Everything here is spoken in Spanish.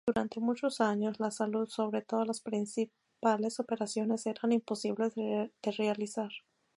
Durante muchos años, la salud, sobre todo las principales operaciones, eran imposibles de realizar.